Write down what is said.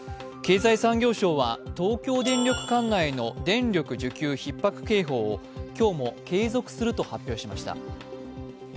経済産業省は東京電力管内の電力需給ひっ迫警報を今日も継続すると発表しました。